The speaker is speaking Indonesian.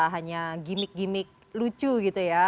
hanya gimmick gimmick lucu gitu ya